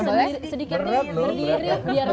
boleh sedikit nih berdiri